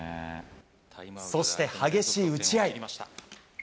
そして激しい打ち合い。